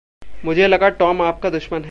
मुझे लगा टॉम आपका दुश्मन है।